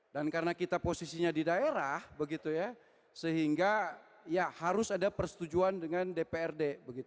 dan karena kita posisinya di daerah sehingga harus ada persetujuan dengan dprd